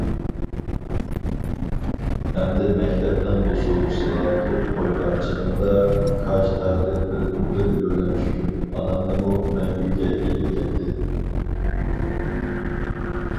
ئەمدى مەكتەپنىڭ بوسۇغىسىغا پۇت قويغان چېغىمدا، كاج تەقدىر بىردىنبىر يۆلەنچۈكۈم ئانامنىمۇ مەڭگۈگە ئېلىپ كەتتى.